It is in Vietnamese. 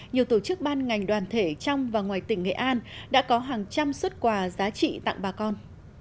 nhiều tổ chức ban ngành đoàn thể trong và ngoài tỉnh nghệ an đã có hàng trăm xuất quà giá trị tặng bà con